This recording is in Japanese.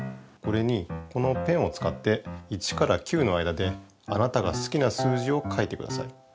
これにこのペンをつかって１から９の間であなたがすきな数字を書いてください。